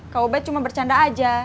kau baik cuma bercanda aja